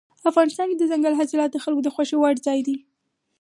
افغانستان کې دځنګل حاصلات د خلکو د خوښې وړ ځای دی.